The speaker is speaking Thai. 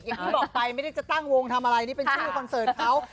อย่างที่บอกไปไม่ได้จะตั้งวงทำอะไรนี่เป็นชื่อคอนเสิร์ตเขา